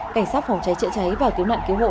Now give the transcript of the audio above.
cảnh sát phòng cháy chữa cháy và cứu nạn cứu hộ